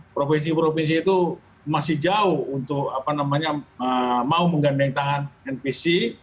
provinsi provinsi itu masih jauh untuk mau menggandeng tangan npc